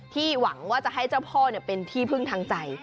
หวังว่าจะให้เจ้าพ่อเป็นที่พึ่งทางใจ